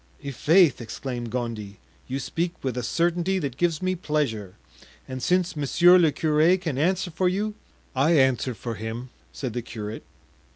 "I'faith!" exclaimed Gondy, "you speak with a certainty that gives me pleasure; and since monsieur le curé can answer for you——" "I answer for him," said the curate.